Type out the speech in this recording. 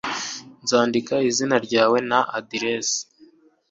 nzandika izina ryawe na aderesi